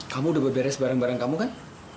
kamu udah beres barang barang kamu kan